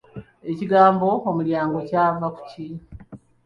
Ekigambo Omulyango kyava ku ki?